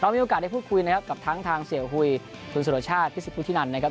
เรามีโอกาสได้พูดคุยนะครับกับทั้งทางเสี่ยวห่วยทุนสุดชาติพิศิภุทินันนะครับ